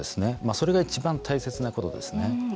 それが一番大切なことですね。